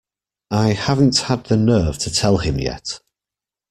I haven't had the nerve to tell him yet.